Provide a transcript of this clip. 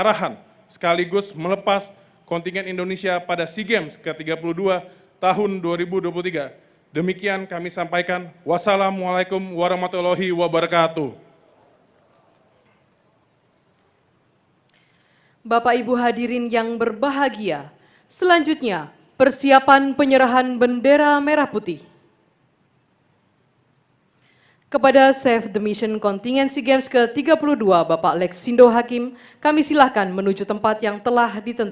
raya kebangsaan indonesia raya